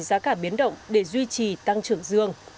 giá cả biến động để duy trì tăng trưởng dương